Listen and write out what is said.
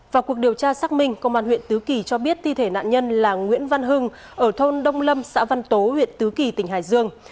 vào cuộc điều tra xác minh công an huyện tứ kỳ cho biết thi thể nạn nhân là nguyễn văn hưng ở thôn đông lâm xã văn tố huyện tứ kỳ tỉnh hải dương